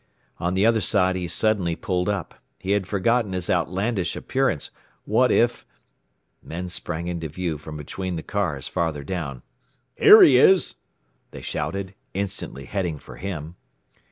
On the other side he suddenly pulled up. He had forgotten his outlandish appearance! What if Men sprang into view from between the cars farther down. "Here he is!" they shouted, instantly heading for him.